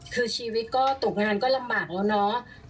คือชีวิตก็ตกงานก็ลำบากแล้วเนาะ